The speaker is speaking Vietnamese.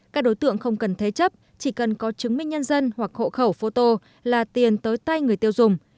các đối tượng không cần thế chấp chỉ cần có chứng minh nhân dân hoặc hộ khẩu photo là tiền tới tay người tiêu dùng